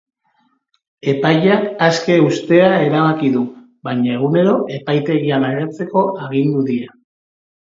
Epaileak aske uztea erabaki du, baina egunero epaitegian agertzeko agindu die.